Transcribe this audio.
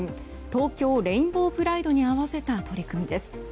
東京レインボープライドに合わせた取り組みです。